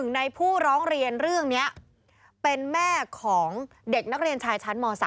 ในผู้ร้องเรียนเรื่องนี้เป็นแม่ของเด็กนักเรียนชายชั้นม๓